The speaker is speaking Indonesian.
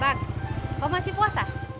bang iiih jadi saya dianggap puasa